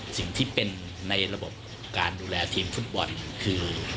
สิ่งที่เป็นในระบบการดูแลทีมฟุตบอลคือ